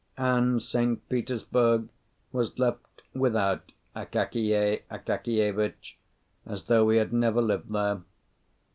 And St. Petersburg was left without Akakiy Akakievitch, as though he had never lived there.